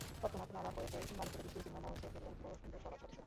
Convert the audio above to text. তৎক্ষণাৎ নালা কেটে, বালু ফেলে বৃষ্টির চিহ্ন মুছে ফেললেন বন্ধুসভার সদস্যরা।